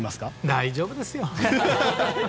大丈夫ですよ。